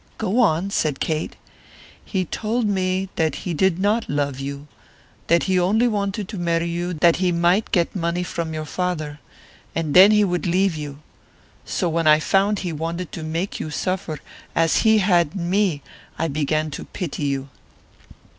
"Go on," said Kate. "He told me that he did not love you; that he only wanted to marry you that he might get money from your father, and then he would leave you. So when I found he wanted to make you suffer as he had me I began to pity you.